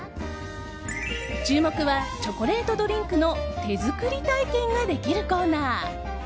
注目は、チョコレートドリンクの手作り体験ができるコーナー。